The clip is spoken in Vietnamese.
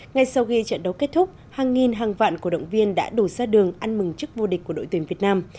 ngay sau khi trận đấu kết thúc hàng nghìn hàng vạn cổ động viên đã đổ ra đường ăn mừng trước vô địch của đội tuyển việt nam